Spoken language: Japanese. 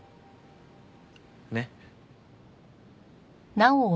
ねっ。